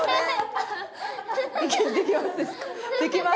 できます？